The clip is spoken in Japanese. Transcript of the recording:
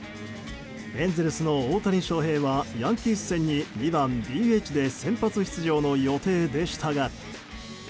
エンゼルスの大谷翔平はヤンキース戦に２番ＤＨで先発出場の予定でしたが。